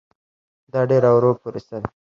دا ډېره ورو پروسه ده.